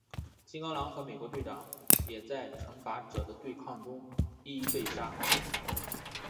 金刚狼和美国队长也在与惩罚者的对抗中一一被杀。